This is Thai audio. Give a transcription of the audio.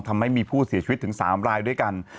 ทำให้มีผู้เสียชีวิตถึง๓รายด้วยกัน